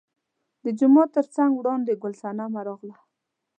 د جومات تر تګ وړاندې ګل صنمه راغله.